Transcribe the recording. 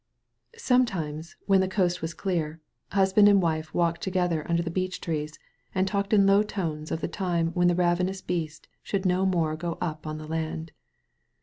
Sometimes* when the coast was clear, husband and wife walked together under the beech trees and talked in low tones of the time when the ravenous beast should no more go up on the land.